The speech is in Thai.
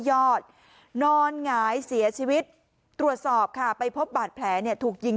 ยอดนอนหงายเสียชีวิตตรวจสอบค่ะไปพบบาดแผลเนี่ยถูกยิง